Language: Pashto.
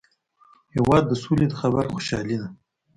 هېواد د سولي د خبر خوشالي ده.